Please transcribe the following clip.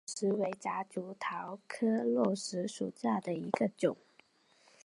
兰屿络石为夹竹桃科络石属下的一个种。